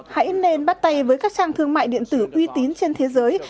hãy nên bắt tay với các trang thương mại điện tử uy tín trên thế giới